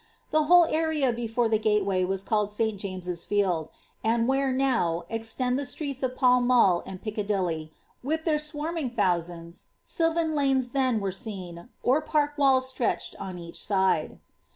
The whole area before the gateway was called St. James's Fiehls;' and where, now, extend the streets of Pall Mall and Piccadilly, with their swarming thousands, sylvan lanes, then, were seen, or park walls stretched on each side.